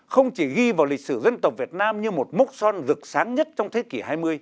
không chỉ ghi vào lịch sử dân tộc việt nam như một mốc son rực sáng nhất trong thế kỷ hai mươi